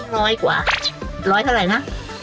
น้อยกว่ารอยเท่าไรนะ